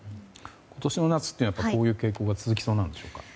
今年の夏はこういう傾向が続きそうなんでしょうか。